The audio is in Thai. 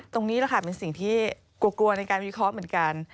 ตรงนี้แหละค่ะเป็นสิ่งที่กลัวในการวิเคราะห์เหมือนกัน